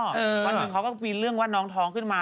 วันหนึ่งเขาก็มีเรื่องว่าน้องท้องขึ้นมา